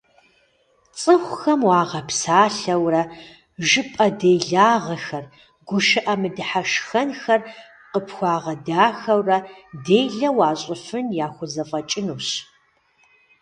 Цӏыхухэм уагъэпсалъэурэ, жыпӏэ делагъэхэр, гушыӏэ мыдыхьэшхэнхэр къыпхуагъэдахэурэ делэ уащӏыфын яхузэфӏэкӏынущ.